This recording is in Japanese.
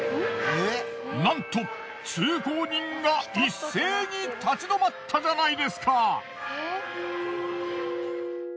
なんと通行人が一斉に立ち止まったじゃないですか。